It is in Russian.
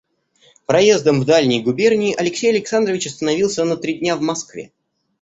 Проездом в дальние губернии Алексей Александрович остановился на три дня в Москве.